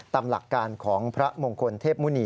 ตามหลักการของพระมงคลเทพมุณี